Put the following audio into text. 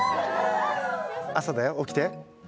朝だよ、起きて。